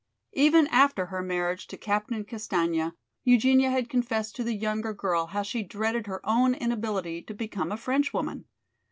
Even after her marriage to Captain Castaigne, Eugenia had confessed to the younger girl how she dreaded her own inability to become a Frenchwoman.